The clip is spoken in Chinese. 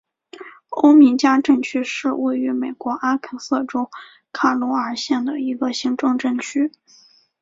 欧米加镇区是位于美国阿肯色州卡罗尔县的一个行政镇区。